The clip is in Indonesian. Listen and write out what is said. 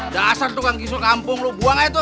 dasar tukang kisul kampung lu buang aja tuh